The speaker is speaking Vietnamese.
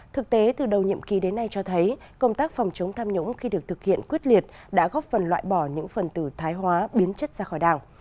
thực tế từ đầu nhiệm kỳ đến nay cho thấy công tác phòng chống tham nhũng khi được thực hiện quyết liệt đã góp phần loại bỏ những phần từ thái hóa biến chất ra khỏi đảng